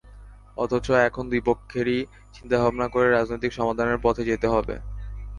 অথচ এখন দুই পক্ষেরই চিন্তাভাবনা করে রাজনৈতিক সমাধানের পথে যেতে হবে।